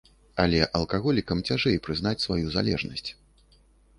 Але алкаголікам цяжэй прызнаць сваю залежнасць.